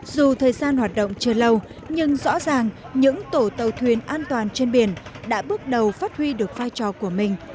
dù thời gian hoạt động chưa lâu nhưng rõ ràng những tổ tàu thuyền an toàn trên biển đã bước đầu phát huy được vai trò của mình